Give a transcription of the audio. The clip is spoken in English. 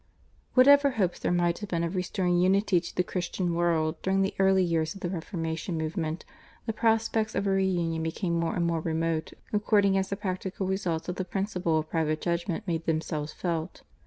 Whatever hopes there might have been of restoring unity to the Christian world during the early years of the Reformation movement, the prospects of a reunion became more and more remote according as the practical results of the principle of private judgment made themselves felt.